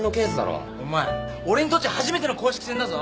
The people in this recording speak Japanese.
お前俺にとっちゃ初めての公式戦だぞ？